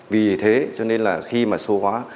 vì thế cho nên là khi mà số hóa